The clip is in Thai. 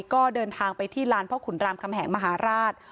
ก็เดินทางไปที่ลานพรคำแหงมหาราช